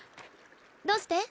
どうして？